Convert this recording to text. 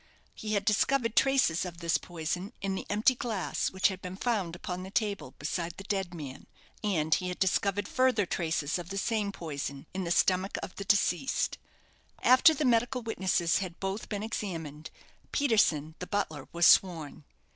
He had discovered traces of this poison in the empty glass which had been found upon the table beside the dead man, and he had discovered further traces of the same poison in the stomach of the deceased. After the medical witnesses had both been examined, Peterson, the butler, was sworn.